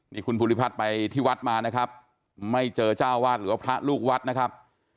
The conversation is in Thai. นี่คุณภูริพัฒน์ไปที่วัดมานะครับไม่เจอเจ้าวาดหรือว่าพระลูกวัดนะครับ